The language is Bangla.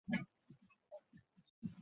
ঐ লবণের চালায়।